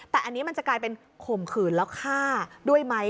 แต่อันนี้มันจะกลายเป็นข่มขืนแล้วฆ่าด้วยไหม